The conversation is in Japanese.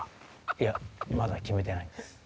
いやまだ決めてないんです。